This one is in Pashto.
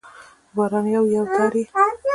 د باران یو، یو تار يې